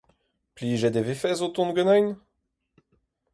Plijet e vefes o tont ganin ?